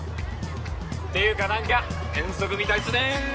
っていうか何か遠足みたいっすね